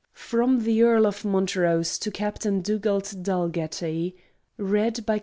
From the Earl of Montrose to Captain Dugald Dalgetty.